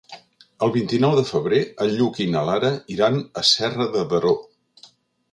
El vint-i-nou de febrer en Lluc i na Lara iran a Serra de Daró.